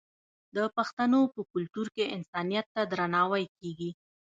د پښتنو په کلتور کې انسانیت ته درناوی کیږي.